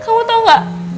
kamu tau gak